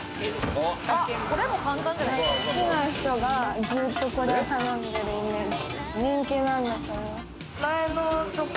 好きな人がずっとこれを頼んでるイメージ。